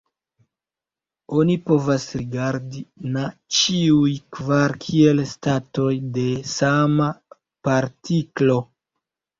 Oni povas rigardi na ĉiuj kvar kiel statoj de sama partiklo.